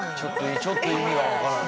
ちょっと意味が分からない。